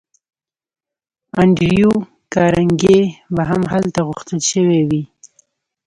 انډریو کارنګي به هم هلته غوښتل شوی وي